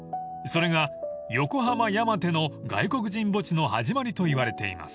［それが横浜山手の外国人墓地の始まりといわれています］